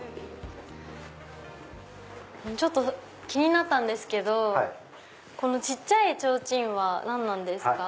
ちょっと気になったんですけどこの小さい提灯は何なんですか？